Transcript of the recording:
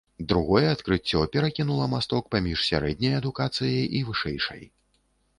Другое адкрыццё перакінула масток паміж сярэдняй адукацыяй і вышэйшай.